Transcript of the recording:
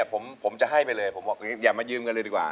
ผมจะให้ไปเลยผมบอกอย่ามายืมกันเลยดีกว่า